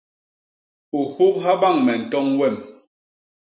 U hubha bañ me ntoñ wem.